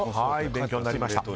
勉強になりました。